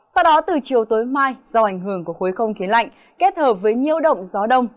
sau đó từ chiều tối mai do ảnh hưởng của khối không khí lạnh kết hợp với nhiễu động gió đông